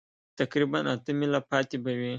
تقریباً اته مېله پاتې به وي.